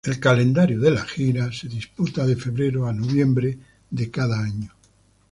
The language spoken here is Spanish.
El calendario de la gira se disputa de febrero a noviembre de cada año.